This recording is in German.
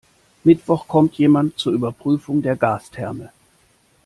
Mittwoch kommt jemand zur Überprüfung der Gastherme.